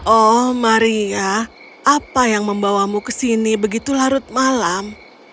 oh maria apa yang membawamu ke sini begitu larut malam